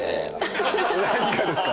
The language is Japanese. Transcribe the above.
何がですか？